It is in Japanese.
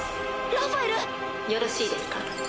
ラファエル⁉よろしいですか？